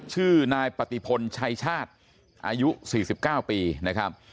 ชื่อนายปฏิพลชายชาติอายุสี่สิบเก้าปีนะครับ